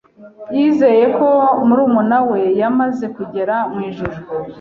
yizeye ko murumuna we yamaze kugera mu ijuru